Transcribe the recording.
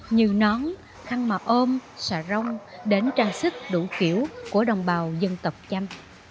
như nón khăn mà ôm xà rong đến trang sức đủ kiểu của đồng bào dân thập châm